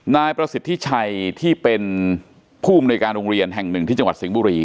นายประสิทธิชัยที่เป็นผู้อำนวยการโรงเรียนแห่งหนึ่งที่จังหวัดสิงห์บุรี